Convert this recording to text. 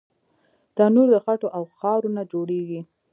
تنور د خټو او خاورو نه جوړېږي